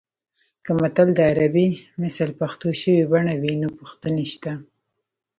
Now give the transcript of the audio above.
که متل د عربي مثل پښتو شوې بڼه وي نو پوښتنې شته